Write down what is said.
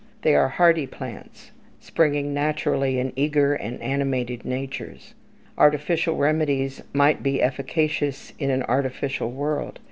They are hardy plants, springing naturally in eager and animated natures. Artificial remedies might be efficacious in an artificial world.